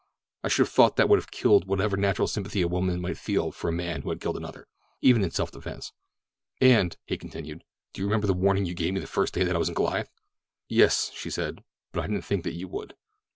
I should have thought that would have killed whatever natural sympathy a woman might feel for a man who had killed another, even in self defense. And," he continued, "do you remember the warning that you gave me the first day that I was in Goliath?" "Yes," she said, "but I didn't think that you would."